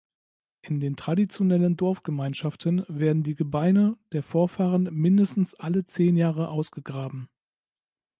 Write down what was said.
In den traditionellen Dorfgemeinschaften werden die Gebeine der Vorfahren mindestens alle zehn Jahre ausgegraben.